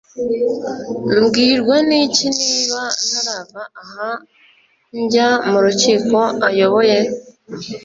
mbwirwa n’iki niba ntazava aha njya mu rukiko ayoboye?